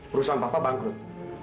perusahaan papa bangkrut